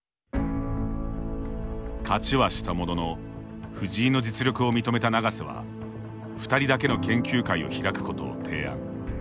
勝ちはしたものの藤井の実力を認めた永瀬は２人だけの研究会を開くことを提案。